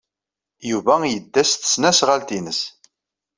Yuba yedda s tesnasɣalt-nnes.